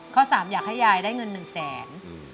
ข้อ๓อยากให้ยายได้เงิน๑แสน